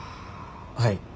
はい。